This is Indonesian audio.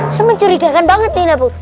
saya mencurigakan banget nih nabuk